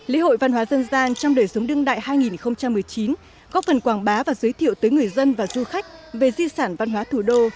lễ hội văn hóa dân gian trong đời sống đương đại hai nghìn một mươi chín góp phần quảng bá và giới thiệu tới người dân và du khách về di sản văn hóa thủ đô